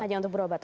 hanya untuk berobat